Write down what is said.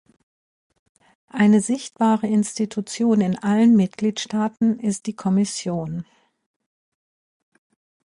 Eine sichtbare Institution in allen Mitgliedstaaten ist die Kommission.